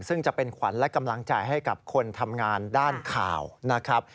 ซึ่งจะเป็นขวัญและกำลังใจให้กับคนทำงานด้านข่าวนะครับ